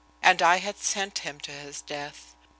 And I had sent him to his death.